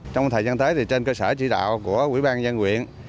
trong thời gian tới trên cơ sở chỉ đạo của quỹ ban dân quyện